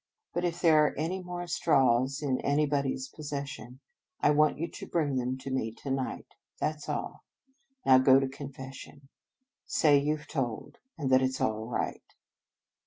But if there are any more straws in anybody s possession, I want you to bring them to me to night. That s all. Now go to confession. Say you Ve told, and that it s all right."